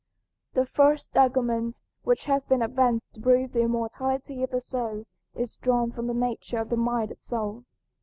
The first argument which has been advanced to prove the immortality of the soul is drawn from the nature of the mind itself.